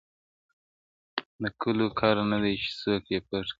د گلو كر نه دى چي څوك يې پــټ كړي.